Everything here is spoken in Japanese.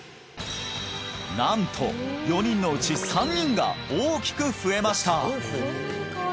なんと４人のうち３人が大きく増えました